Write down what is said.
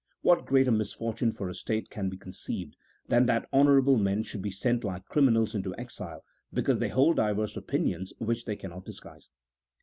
What greater misfortune for a state can be con ceived than that honourable men should be sent like criminals into exile, because they hold diverse opinions which they cannot disguise?